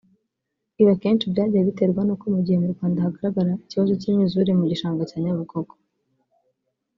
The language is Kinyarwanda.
Ibi akenshi byagiye biterwa n’uko mu gihe mu Rwanda hagaragara ikibazo cy’imyuzure mu gishanga cya Nyabarongo